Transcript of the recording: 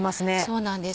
そうなんです。